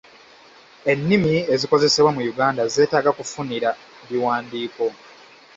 Ennimi ezikozesebwa mu Uganda zeetaaga kufunira biwandiiko.